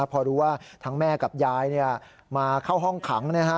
พอรู้ว่าทั้งแม่กับยายเนี่ยมาเข้าห้องขังนะฮะ